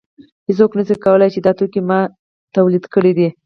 هېڅوک نشي ویلی چې دا توکی ما تولید کړی دی